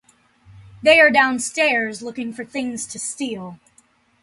They are downstairs looking for things to steal.